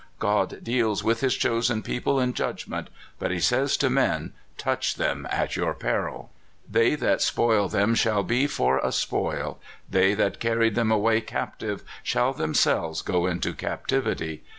God deals with his chosen people in judgment; but he says to men, Touch them at your peril! They that spoil them shall be for a spoil ; they that carried them away captive shall themselves go into captivity.